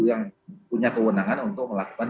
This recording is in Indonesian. yang punya kewenangan untuk melakukan